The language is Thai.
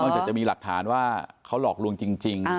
จากจะมีหลักฐานว่าเขาหลอกลวงจริง